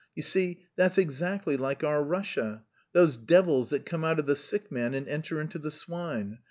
You see, that's exactly like our Russia, those devils that come out of the sick man and enter into the swine.